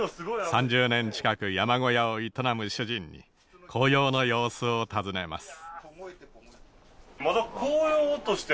３０年近く山小屋を営む主人に紅葉の様子を尋ねます。